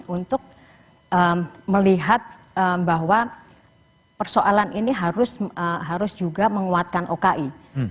untuk melihat bahwa persoalan ini harus juga menguatkan oki